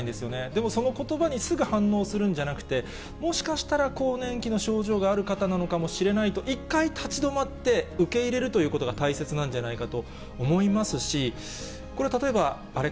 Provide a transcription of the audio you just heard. でもそのことばにすぐ反応するんじゃなくて、もしかしたら更年期の症状がある方なのかもしれないと、一回、立ち止まって、受け入れるということが大切なんじゃないかと思いますし、これ、例えば、あれ？